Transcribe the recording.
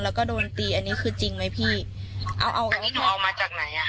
แล้วก็โดนตีอันนี้คือจริงไหมพี่เอาเอาอันนี้หนูเอามาจากไหนอ่ะ